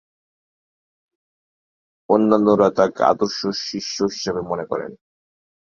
অন্যান্যরা তাঁকে আদর্শ শিষ্য হিসেবে মনে করেন।